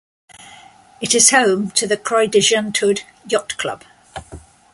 It is home to the Creux-de-Genthod yacht club.